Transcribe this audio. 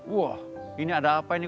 wah ini ada apa ini